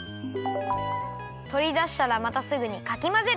とりだしたらまたすぐにかきまぜる！